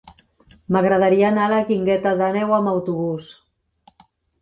M'agradaria anar a la Guingueta d'Àneu amb autobús.